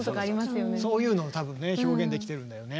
そういうのを多分表現できてるんだよね。